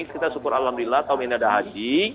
kita syukur alhamdulillah tahun ini ada haji